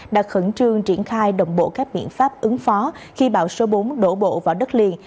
đã khẩn trương triển khai đồng bộ các biện pháp ứng phó khi bão số bốn đổ bộ vào đất liền